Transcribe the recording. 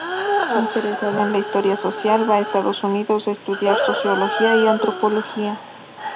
Interesado en la Historia social, va a Estados Unidos a estudiar sociología y antropología.